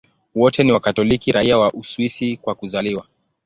Wote ni Wakatoliki raia wa Uswisi kwa kuzaliwa.